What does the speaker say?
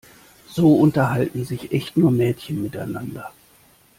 So unterhalten sich echt nur Mädchen miteinander.